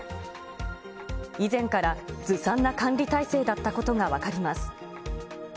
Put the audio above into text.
以前からずさんな管理体制だったことが分かります。